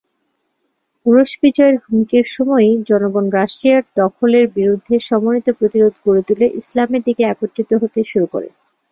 রুশ বিজয়ের হুমকির সময়েই জনগণ রাশিয়ার দখলের বিরুদ্ধে সমন্বিত প্রতিরোধ গড়ে তুলে ইসলামের দিকে একত্রিত হতে শুরু করে।